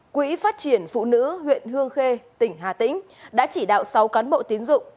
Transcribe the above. quỹ phát triển phụ nữ huyện hương khê tỉnh hà tĩnh đã chỉ đạo sáu cán bộ tiến dụng